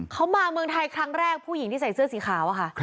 เขามาเมืองไทยครั้งแรกผู้หญิงที่ใส่เสื้อสีขาวอะค่ะ